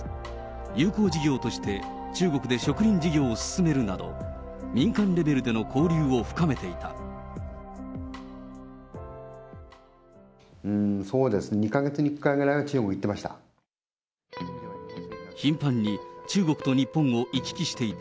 友好事業として中国で植林事業を進めるなど、民間レベルでの交流そうです、２か月に１回ぐらいは中国に行ってました。